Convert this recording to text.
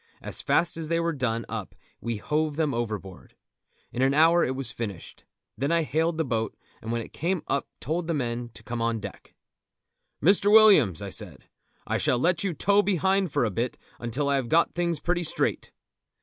As fast as they were done up we hove them overboard. In an hour it was finished. Then I hailed the boat, and when it came up told the men to come on deck. "Mr. Williams," I said, "I shall let you tow behind for a bit until I have got things pretty straight."